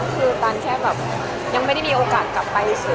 คือตันแค่แบบยังไม่ได้มีโอกาสกลับไปเฉย